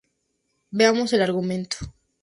Veamos el argumento.